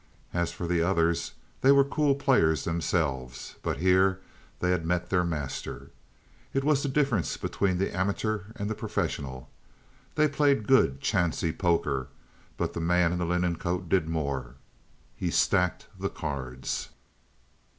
As for the others, they were cool players themselves, but here they had met their master. It was the difference between the amateur and the professional. They played good chancey poker, but the man in the linen coat did more he stacked the cards!